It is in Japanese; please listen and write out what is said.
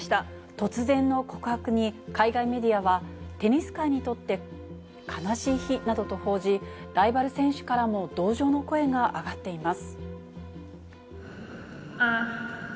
突然の告白に、海外メディアは、テニス界にとって悲しい日などと報じ、ライバル選手からも同情の声が上がっています。